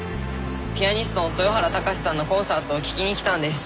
ピアニストの豊原貴史さんのコンサートを聴きに来たんです。